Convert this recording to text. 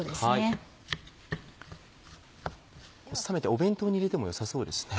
お弁当に入れてもよさそうですね。